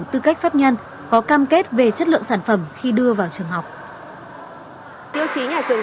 tư cách phát nhân có cam kết về chất lượng sản phẩm khi đưa vào trường học khi tiêu chí nhà trường